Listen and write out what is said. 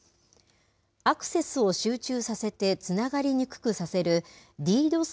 アクセスを集中させてつながりにくくさせるＤＤｏＳ